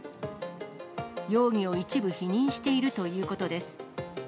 容疑を一部否認しているということです。